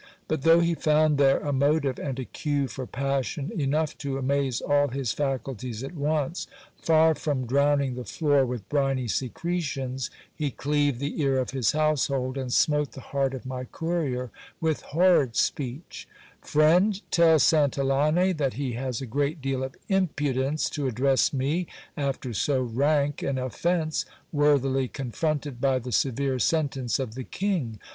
But though he found there a jmot ive and a cue for passion, jijilough to amaze all his faculties at once, far from drowning the floor willH5nny secretions, he cleaved the ear of his household, and smote the heart of my courier with horrid speech : Friend, tell Santillane that he has a great deal of impudence to address me, after so rank an offence, worthily con fronted by the severe sentence of the king.